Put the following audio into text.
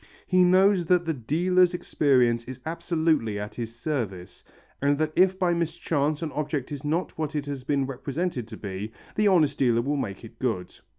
He knows that the dealer's experience is absolutely at his service, and that if by mischance an object is not what it has been represented to be, the honest dealer will make it good.